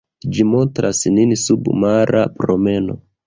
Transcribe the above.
Ĝi montras nin submara promeno.